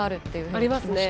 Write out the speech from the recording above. ありますね。